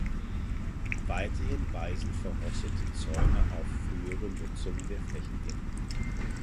Weiterhin weisen verrostete Zäune auf frühere Nutzungen der Flächen hin.